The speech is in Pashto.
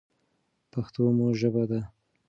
پښتو مو ژبه ده.